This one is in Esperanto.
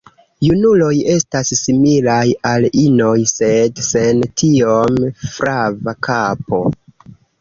Junuloj estas similaj al inoj, sed sen tiom flava kapo.